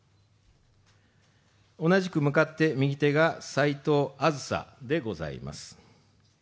同じく向かって右手が齋藤梓でございます。